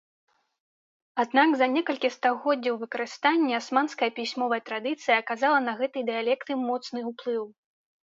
Аднак за некалькі стагоддзяў выкарыстання асманская пісьмовая традыцыя аказала на гэтыя дыялекты моцны ўплыў.